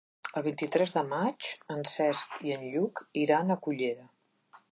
El vint-i-tres de maig en Cesc i en Lluc iran a Cullera.